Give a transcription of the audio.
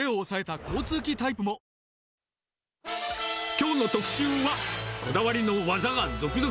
きょうの特集は、こだわりの技が続々！